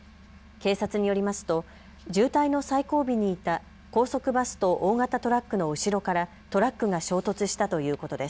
警察によりますと渋滞の最後尾にいた高速バスと大型トラックの後ろからトラックが衝突したということです。